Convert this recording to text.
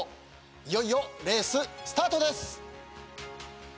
いよいよレーススタートです。